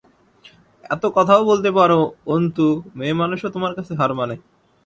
এত কথাও বলতে পার, অন্তু, মেয়েমানুষও তোমার কাছে হার মানে।